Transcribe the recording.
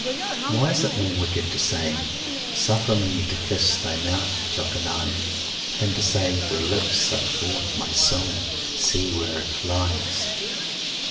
Why is it more wicked to say, "Suffer me to kiss thy mouth, Jokanaan!" than to say, "Her lips suck forth my soul see where it flies!"?